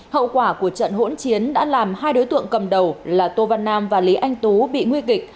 hậu quả của trận hỗn chiến đã làm hai đối tượng cầm đầu là tô văn nam và lý anh tú bị nguy kịch